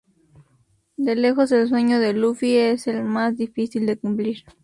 De lejos, el sueño de Luffy es el más difícil de cumplir.